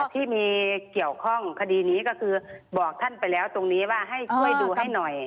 ที่มีเกี่ยวข้องคดีนี้ก็คือบอกท่านไปแล้วตรงนี้ว่าให้ช่วยดูให้หน่อย